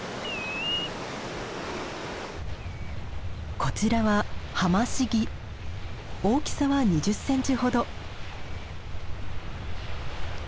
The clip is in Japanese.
こちらは大きさは２０センチほど。